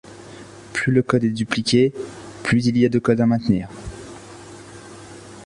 Plus le code est dupliqué, plus il y a de code à maintenir.